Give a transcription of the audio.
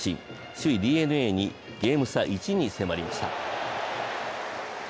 首位・ＤｅＮＡにゲーム差１に迫りました。